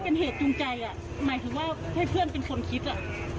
เป็นเหตุจูงใจอ่ะหมายถึงว่าให้เพื่อนเป็นคนคิดอ่ะ